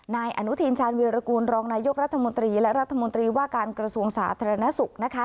นายอนุทินชาญวีรกูลรองนายกรัฐมนตรีและรัฐมนตรีว่าการกระทรวงสาธารณสุขนะคะ